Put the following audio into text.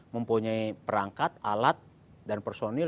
mempunyai perangkat alat dan personil